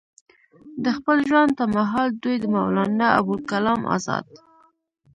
د خپل ژوند پۀ محال دوي د مولانا ابوالکلام ازاد